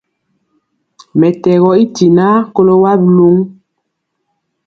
Mɛtɛgɔ i tinaa kolɔ wa biluŋ.